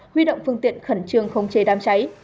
huy động phương tiện khẩn trương khống chế đám cháy